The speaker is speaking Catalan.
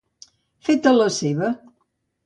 Fet a la seva.